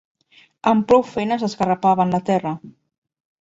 Amb prou feines esgarrapaven la terra